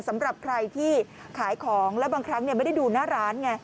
สำหรับใครที่ขายของแล้วบางครั้งไม่ได้ดูหน้าร้านไง